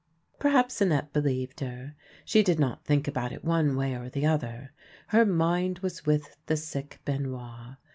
Perhaps Annette believed her. She did not think about it one way or the other ; her mind was with the sick Benoit.